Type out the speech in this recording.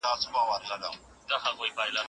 حتی په خوشحالۍ کي هم باید افراط ونه سي.